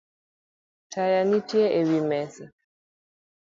Taya nitie ewi mesa